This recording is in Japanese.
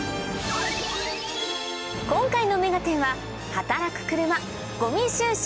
今回の『目がテン！』は働く車ごみ収集